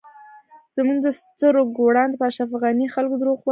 زموږ د سترږو وړاندی په اشرف غنی خلکو درواغ وتړل